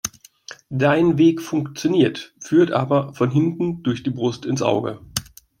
Dein Weg funktioniert, führt aber von hinten durch die Brust ins Auge.